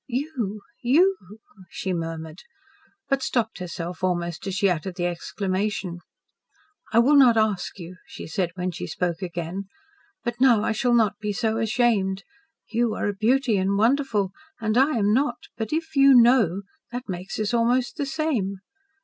"YOU! YOU!" she murmured, but stopped herself almost as she uttered the exclamation. "I will not ask you," she said when she spoke again. "But now I shall not be so ashamed. You are a beauty and wonderful, and I am not; but if you KNOW, that makes us almost the same.